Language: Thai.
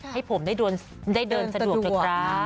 ให้ผมได้เดินสะดวกเลยครับ